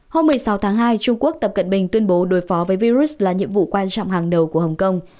hôm một mươi sáu tháng hai trung quốc tập cận bình tuyên bố đối phó với virus là nhiệm vụ quan trọng hàng đầu của hồng kông